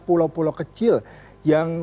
pulau pulau kecil yang